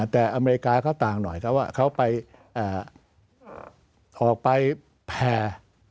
แต่อเมริกาเขาต่างหน่อยเขาออกไปแพร่